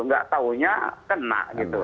nggak tahunya kena